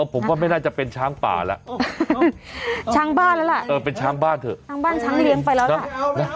ผมว่าไม่น่าจะเป็นช้างป่าแล้วช้างบ้านแล้วล่ะเออเป็นช้างบ้านเถอะช้างบ้านช้างเลี้ยงไปแล้วล่ะ